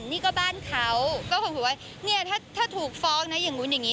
นี่ก็บ้านเขาก็คงพูดว่าเนี่ยถ้าถูกฟ้องนะอย่างนู้นอย่างนี้